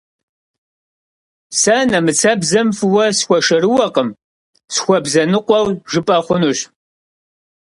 Сэ нэмыцэбзэм фӏыуэ сыхуэшэрыуэкъым, сыхуэбзэныкъуэу жыпӏэ хъунущ.